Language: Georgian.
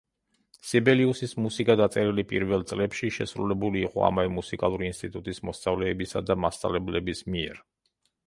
სიბელიუსის მუსიკა, დაწერილი პირველ წლებში შესრულებული იყო ამავე მუსიკალური ინსტიტუტის მოსწავლეებისა და მასწავლებლების მიერ.